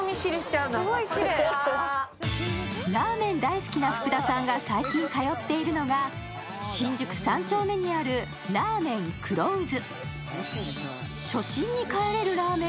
ラーメン大好きな福田さんが最近通っているのが新宿三丁目にある、らぁ麺くろ渦。